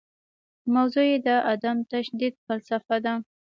موضوع یې د عدم تشدد فلسفه ده.